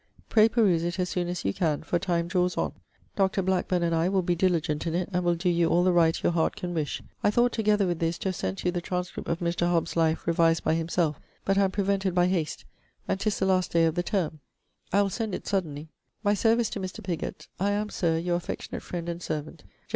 Pray peruse it as soon as you can, for time drawes on. Dr. Blackburne and I will be diligent in it and will doe you all the right your heart can wish. I thought together with this to have sent you the transcript of Mr. Hobbes' life revised by himselfe but am prevented by hast, and 'tis the last day of the terme. I will send it suddenly. My service to Mr. Pigot. I am, Sir, your affectionate friend and servant, JO.